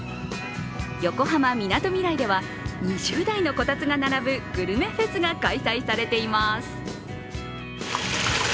横浜・みなとみらいでは２０台のこたつが並ぶグルメフェスが開催されています。